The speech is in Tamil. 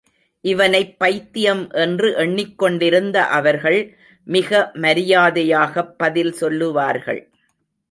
இவனைப் பைத்தியம் என்று எண்ணிக்கொண்டிருந்த அவர்கள், மிக மரியாதையாகப் பதில் சொல்லுவார்கள்.